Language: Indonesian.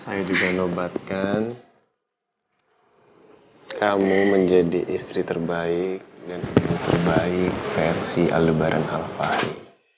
saya juga nobatkan kamu menjadi istri terbaik dan ibu terbaik versi aldebaran alfahi